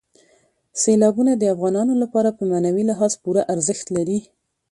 سیلابونه د افغانانو لپاره په معنوي لحاظ پوره ارزښت لري.